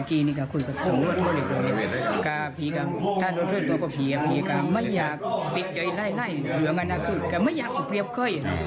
กับคุยกันแล้วเลยต้องคุยกับทุกคน